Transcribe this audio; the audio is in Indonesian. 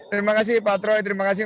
terima kasih pak troy terima kasih